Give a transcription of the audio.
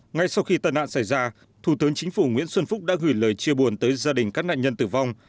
ngay sau khi tàn nạn xảy ra thủ tướng chính phủ nguyễn xuân phúc đã gửi lời chia buồn tới gia đình các nạn nhân tử vong